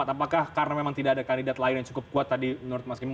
apakah karena memang tidak ada kandidat lain yang cukup kuat tadi menurut mas gembong